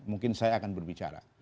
mungkin saya akan berbicara